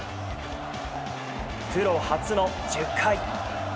プロ初の１０回。